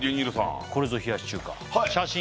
これぞ冷やし中華写真